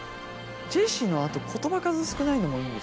ジェシーのはあと言葉数少ないのもいいんですかね？